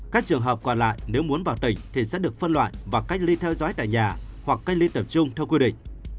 các trường hợp còn lại nếu muốn vào tỉnh thì sẽ được phân loại và cách ly theo dõi tại nhà hoặc cách ly tập trung theo quy định